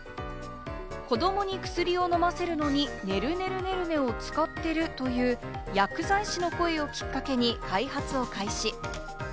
子どもに薬を飲ませるのに「ねるねるねるね」を使ってるという薬剤師の声をきっかけに開発を開始。